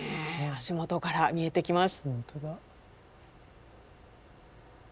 足元から見えてきます。